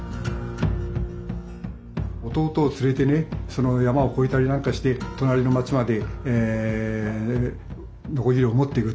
弟を連れてね山を越えたりなんかして隣の町までノコギリを持っていくと。